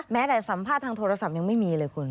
แต่สัมภาษณ์ทางโทรศัพท์ยังไม่มีเลยคุณ